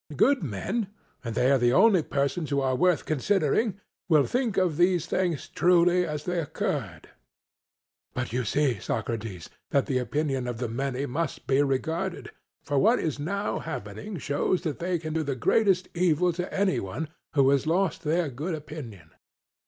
Good men, and they are the only persons who are worth considering, will think of these things truly as they occurred. CRITO: But you see, Socrates, that the opinion of the many must be regarded, for what is now happening shows that they can do the greatest evil to any one who has lost their good opinion.